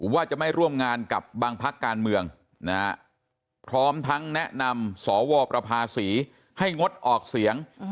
ว่าจะไม่ร่วมงานกับบางพักการเมืองพร้อมทั้งแนะนำสวประภาษีให้งดออกเสียง